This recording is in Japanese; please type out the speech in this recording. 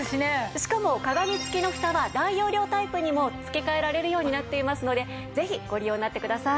しかも鏡付きのふたは大容量タイプにも付け替えられるようになっていますのでぜひご利用になってください。